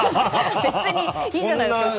別にいいじゃないですか。